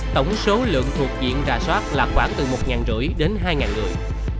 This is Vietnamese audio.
tổng số lượng thuộc diện ra soát là khoảng từ một năm trăm linh đến hai người